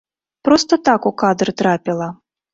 Проста так у кадр трапіла.